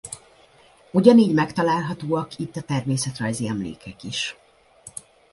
Ugyanígy megtalálhatóak itt a természetrajzi emlékek is.